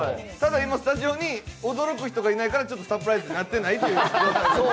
ただ、今スタジオに驚く人がいないからちょっとサプライズになっていないっていう。